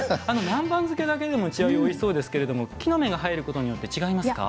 南蛮漬けだけでもおいしそうですが木の芽が入ることによって違いますか？